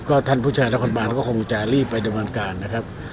ก็ท่านผู้ชายและคนบ้านก็คงจะรีบไปดังวันกลางนะครับ